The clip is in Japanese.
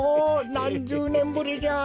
なんじゅうねんぶりじゃ。